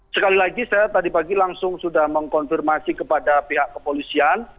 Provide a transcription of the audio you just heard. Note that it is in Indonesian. sekali lagi saya tadi pagi langsung sudah mengkonfirmasi kepada pihak kepolisian